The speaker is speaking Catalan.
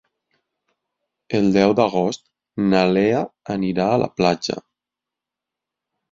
El deu d'agost na Lea anirà a la platja.